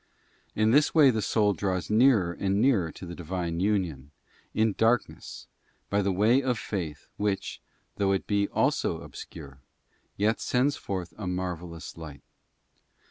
In this way the soul draws nearer and nearer to the Divine union, in darkness, by the way of faith which, though it be also obscure, yet sends forth a marvellous light.